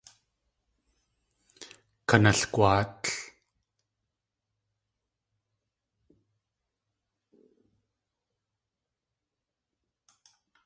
Kanalgwáatl!